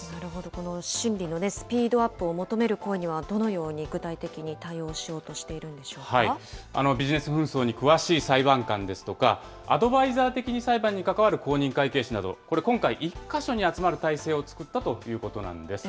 この審理のスピードアップを求める声には、どのように具体的に対応しようとしていビジネス紛争に詳しい裁判官ですとか、アドバイザー的に裁判に関わる公認会計士など、これ今回、１か所に集まる体制を作ったということなんです。